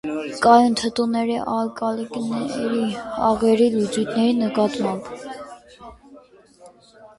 Կայուն են թթուների, ալկալիների, աղերի լուծույթների նկատմամբ։